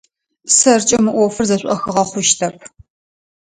Сэркӏэ мы ӏофыр зэшӏохыгъэ хъущтэп.